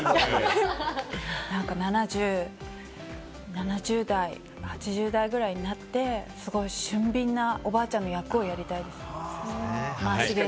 ７０代、８０代ぐらいになって、俊敏なおばあちゃんの役をやりたいですね。